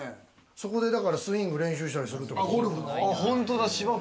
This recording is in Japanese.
そこでだからスイング練習したりするってこと。